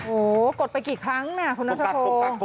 โอ้โฮกดไปกี่ครั้งน่ะคุณนัทโทร